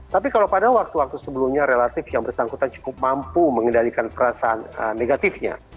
tapi kalau pada waktu waktu sebelumnya relatif yang bersangkutan cukup mampu mengendalikan perasaan negatifnya